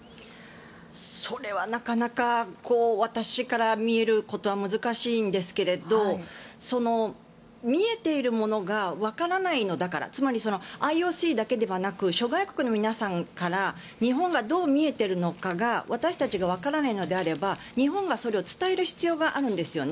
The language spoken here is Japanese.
それはなかなか私から見えることは難しいんですけれども見えているものがわからないのだからつまり、ＩＯＣだけではなく諸外国の皆さんから日本がどう見えているのかが私たちがわからないのであれば日本がそれを伝える必要があるんですよね。